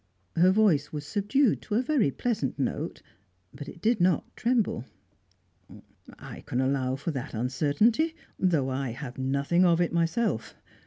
Her voice was subdued to a very pleasant note, but it did not tremble. "I can allow for that uncertainty though I have nothing of it myself.